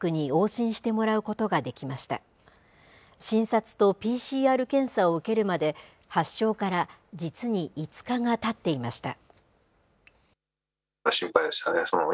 診察とＰＣＲ検査を受けるまで、発症から実に５日がたっていました。